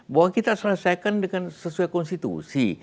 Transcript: bahwa kita selesaikan dengan sesuai konstitusi